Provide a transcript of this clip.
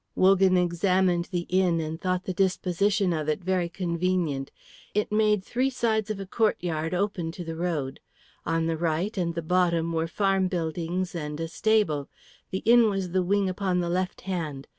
Wogan examined the inn and thought the disposition of it very convenient. It made three sides of a courtyard open to the road. On the right and the bottom were farm buildings and a stable; the inn was the wing upon the left hand.